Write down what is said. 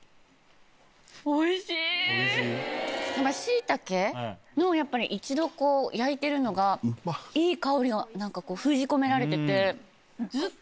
シイタケのやっぱり一度こう焼いてるのがいい香りが封じ込められてて。